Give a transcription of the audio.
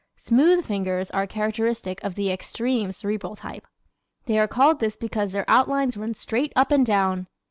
Smooth fingers are characteristic of the extreme Cerebral type. They are called this because their outlines run straight up and down.